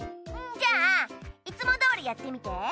んじゃいつもどおりやってみて。